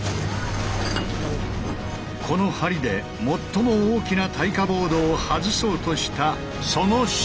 この梁で最も大きな耐火ボードを外そうとしたその瞬間！